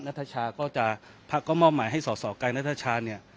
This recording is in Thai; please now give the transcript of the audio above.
ชาก็จะพักก็มอบหมายให้สอสอกายนัทชาเนี่ย